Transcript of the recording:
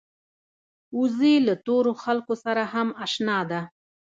وزې له تورو خلکو سره هم اشنا ده